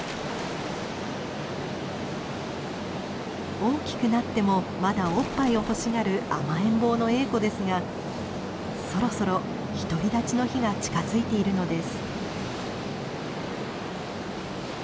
大きくなってもまだおっぱいを欲しがる甘えんぼうのエーコですがそろそろ独り立ちの日が近づいているのです。